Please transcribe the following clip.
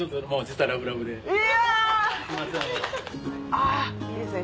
あいいですね